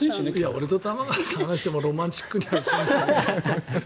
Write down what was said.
俺と玉川さんが話してもロマンチックにはならない。